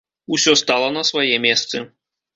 Усё стала на свае месцы.